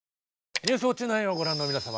「ニュースウオッチ９」をご覧の皆様